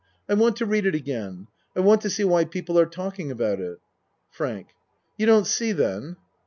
I want to read it again. I want to see why people are talking about it. FRANK You don't see then?